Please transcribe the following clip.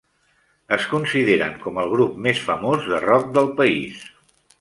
Es consideren com el grup més famós de rock del país.